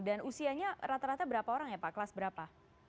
dan usianya rata rata berapa orang ya pak kelas berapa